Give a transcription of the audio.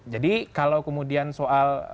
jadi kalau kemudian soal